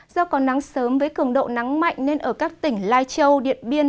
do còn nắng sớm với cường độ nắng mạnh nên ở các tỉnh lai châu điện biên